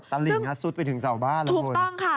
ตะลิงซุดไปถึงเสาบ้านถูกต้องค่ะ